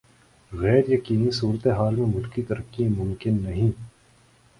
غیر یقینی صورتحال میں ملکی ترقی ممکن نہیں